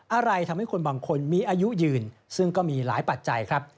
อะไรทำให้คนบางคนมีอายุยืนซึ่งก็มีหลายปัจจัยครับ